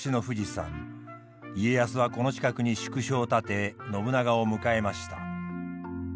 家康はこの近くに宿所を建て信長を迎えました。